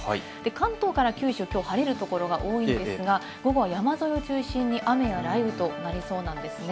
関東から九州はきょう晴れるところが多いですが、午後は山沿いを中心に雨や雷雨となりそうなんですね。